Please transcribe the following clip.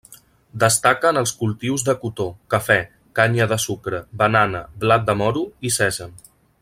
Destaquen els cultius de cotó, cafè, canya de sucre, banana, blat de moro i sèsam.